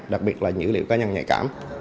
đặc biệt là dữ liệu cá nhân nhạy cảm